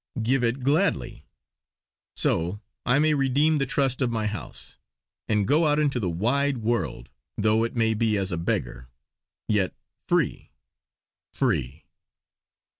Give it gladly! So, I may redeem the trust of my House; and go out into the wide world, though it may be as a beggar, yet free free!